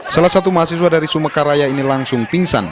salah satu mahasiswa dari sumekaraya ini langsung pingsan